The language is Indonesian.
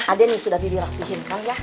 adek nih sudah bibirah bihinkan ya